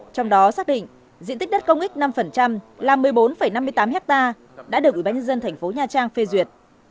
trong đó xác định diện tích đất công ích năm là một mươi bốn năm mươi tám hectare đã được ủy ban nhân dân thành phố nha trang phê duyệt